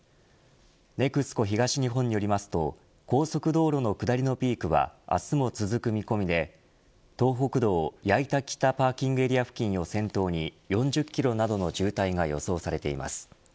ＮＥＸＣＯ東日本によりますと高速道路の下りのピークは明日も続く見込みで東北道・矢板北パーキングエリア付近を先頭に４０キロなどの渋滞が予想されています。